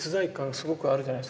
すごくあるじゃないですか。